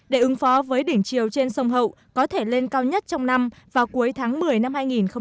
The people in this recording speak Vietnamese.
để ứng phó với đỉnh chiều trên sông hậu có thể lên cao nhất trong năm vào cuối tháng một mươi năm hai nghìn một mươi chín